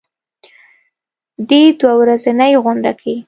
دې دوه ورځنۍ غونډه کې